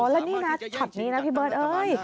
แล้วนี่นะช็อตนี้นะพี่เบิร์ตเอ้ย